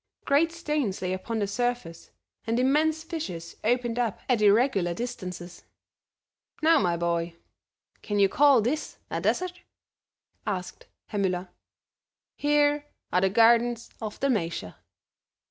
Great stones lay upon the surface, and immense fissures opened up at irregular distances. "Now, my boy, can you call this a desert?" asked Herr Müller. "Here are the gardens of Dalmatia."